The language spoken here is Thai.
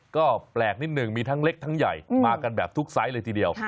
ก็แปลกนิดหนึ่งมีทั้งเล็กทั้งใหญ่มากันแบบทุกไซส์เลยทีเดียว